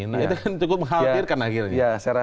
nah itu kan cukup mengkhawatirkan akhirnya